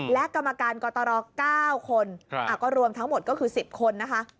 และกรรมการกตร๙คนก็รวมทั้งหมดก็คือ๑๐คนนะคะ